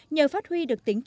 nhờ phát huy được tính cơ